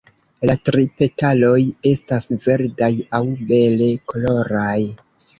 La tri petaloj estas verdaj aŭ bele koloraj.